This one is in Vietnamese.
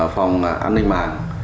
phòng an ninh mạng